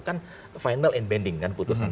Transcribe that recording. kan final and bending kan putusan